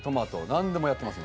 何でもやってます